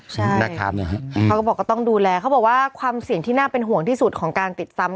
ใช่นะครับเขาก็บอกก็ต้องดูแลเขาบอกว่าความเสี่ยงที่น่าเป็นห่วงที่สุดของการติดซ้ำ